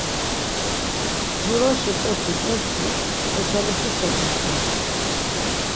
Jur oşi ǩoçi t̆es do oçalişuşa ulut̆es.